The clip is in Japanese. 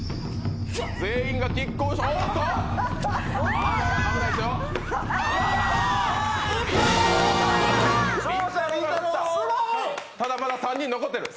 全員がきっ抗してる。